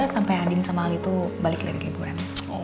sampai anding sama ali tuh balik lagi ke hiburan